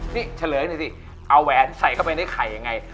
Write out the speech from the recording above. นี่เฉลยหน่อยสิเอาแหวนใส่เข้าไปในไข่ยังไง